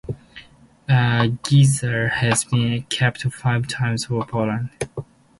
Giza has been capped five times for Poland.